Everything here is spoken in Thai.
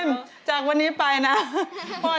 พ่อเชื่อมันในตัวลูกพ่อได้